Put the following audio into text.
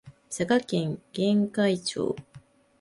佐賀県玄海町